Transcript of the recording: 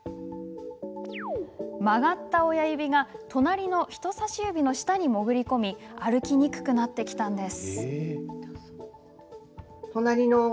曲がった親指が隣の人さし指の下に潜り込み歩きにくくなってきたのです。